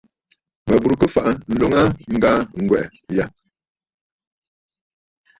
Mə bùrə kɨ fàʼà ǹloln aa ŋgaa ŋgwɛ̀ʼɛ̀ yâ.